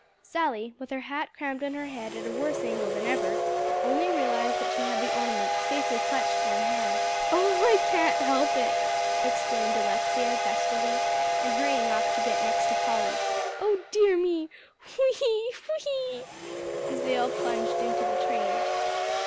Sally, with her hat crammed on her head at a worse angle than ever, only realized that she had the ornament safely clutched in her hand. "Oh, I can't help it," exclaimed Alexia gustily, and hurrying off to get next to Polly. "Oh dear me! whee whee!" as they all plunged into the train.